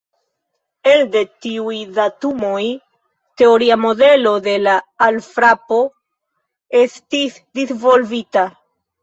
Elde tiuj datumoj, teoria modelo de la alfrapo estis disvolvita.